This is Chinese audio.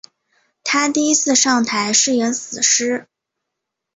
她第一次上台是演死尸。